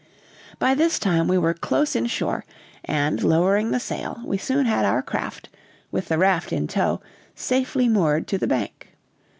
By this time we were close in shore; and, lowering the sail, we soon had our craft, with the raft in tow, safely moored to the bank.